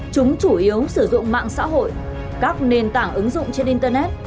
chúng chủ yếu sử dụng mạng xã hội các nền tảng ứng dụng trên internet